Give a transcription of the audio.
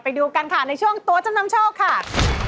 ไปดูกันค่ะในช่วงตัวจำนำโชคค่ะ